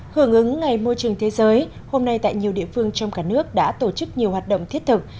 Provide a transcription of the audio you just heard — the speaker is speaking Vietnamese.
hưởng ứng ngày môi trường thế giới hôm nay tại nhiều địa phương trong cả nước đã tổ chức nhiều hoạt động thiết thực